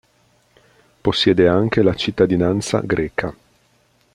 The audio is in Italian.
Possiede anche la cittadinanza greca.